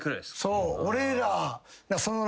そう俺ら。